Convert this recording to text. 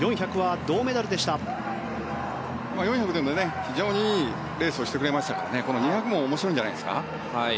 ４００でも非常にいいレースをしてくれましたから２００も面白いんじゃないですか？